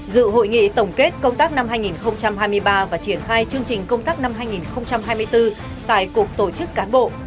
dự hội nghị tổng kết công tác năm hai nghìn hai mươi ba và triển khai chương trình công tác năm hai nghìn hai mươi bốn tại cục tổ chức cán bộ